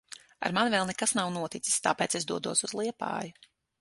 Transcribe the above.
Ar mani vēl nekas nav noticis. Tāpēc es dodos uz Liepāju.